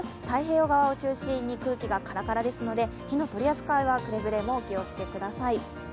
太平洋側を中心に空気がからからですので火の取り扱いはくれぐれもお気をつけください。